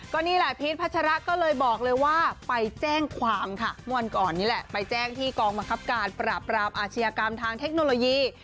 ก็นี่แหละพีชพัชระก็เลยบอกเลยว่าไปแจ้งความค่ะเมื่อวันก่อนนี่แหละไปแจ้งที่กองบังคับการปราบรามอาชญากรรมทางเทคโนโลยี